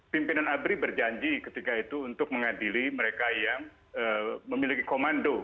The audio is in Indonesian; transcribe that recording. pimpinan abri berjanji ketika itu untuk mengadili mereka yang memiliki komando